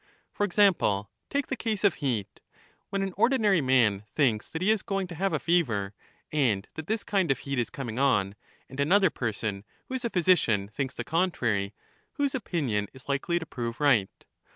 For example, take the case of heat :— When an Certainly ordinary man thinks that he is going to have a fever, and ^"f that this kind of heat is coming on, and another person, who medidne ; is a physician, thinks the contrary, whose opinion is likely to prove right?